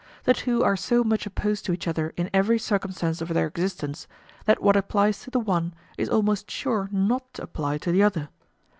The two are so much opposed to each other in every circumstance of their existence, that what applies to the one is almost sure not to apply to the other.